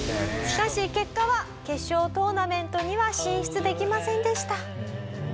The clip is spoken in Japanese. しかし結果は決勝トーナメントには進出できませんでした。